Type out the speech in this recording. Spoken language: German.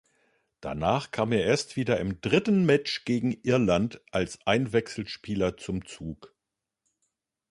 Danach kam er erst wieder im dritten Match gegen Irland als Einwechselspieler zum Zug.